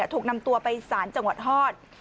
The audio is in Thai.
ถูกนำตัวไปสารจังหวัดฮอต